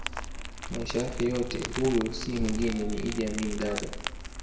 maisha yake yote Huyo si mwengine ni Idi Amin Dada